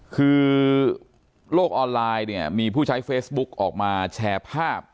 คือโลกออนไลน์เนี่ยมีผู้ใช้เฟซบุ๊กออกมาแชร์ภาพ